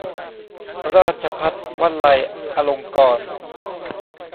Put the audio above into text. ราชภัฏวไลยอลงกรณ์